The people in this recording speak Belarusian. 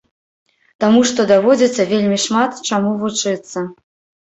Таму што даводзіцца вельмі шмат чаму вучыцца.